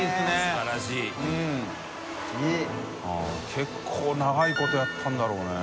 △結構長いことやったんだろうね。